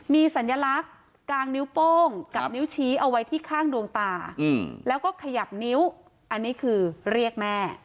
มีสัญลักษณ์กางนิ้วโป้งกับนิ้วชี้เอาไว้ที่ข้างดวงตาแล้วก็ขยับนิ้วอันนี้คือเรียกแม่